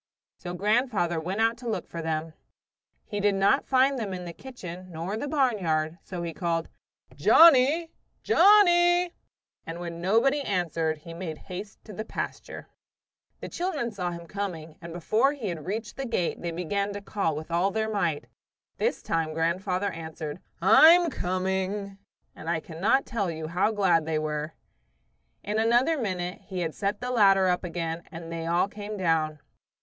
So grandfather went out to look for them. He did not find them in the kitchen nor the barnyard, so he called, "Johnnie! Johnnie!" and when nobody answered he made haste to the pasture. The children saw him coming, and long before he had reached the gate they began to call with all their might. This time grandfather answered, "I'm coming!" and I cannot tell you how glad they were. In another minute he had set the ladder up again and they all came down.